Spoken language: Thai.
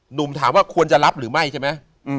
หนุ่มถามว่าควรจะรับหรือไม่ใช่ไหม